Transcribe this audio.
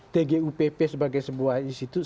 tgupp sebagai sebuah institusi